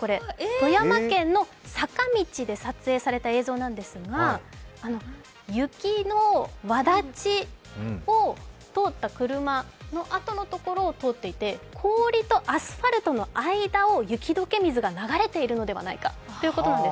富山県の坂道で撮影された映像なんですが、雪のわだちを通った車の跡のところを通っていて、氷とアスファルトの間を雪解け水が流れているのではないかということなんです。